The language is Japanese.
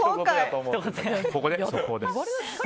ここで速報です。